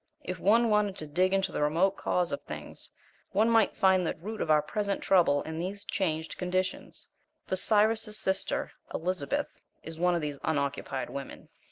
If one wanted to dig into the remote cause of things, one might find the root of our present trouble in these changed conditions, for Cyrus's sister, Elizabeth, is one of these unoccupied women.